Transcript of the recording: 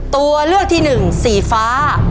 ตัวเลือกที่หนึ่งสีฟ้า